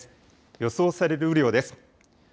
予想される雨量です。